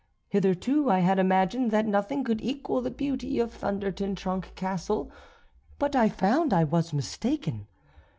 Hitherto I had imagined that nothing could equal the beauty of Thunder ten Tronckh Castle; but I found I was mistaken.